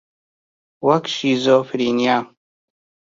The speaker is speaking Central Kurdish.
وەک شیزۆفرینیا